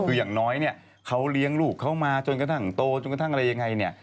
คืออย่างน้อยเขาเลี้ยงลูกเขามาจนกระทั่งโตอย่างไรอย่างไร